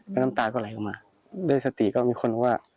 แล้วน้ำตาก็ไหลออกมาด้วยสติก็มีคนบอกว่า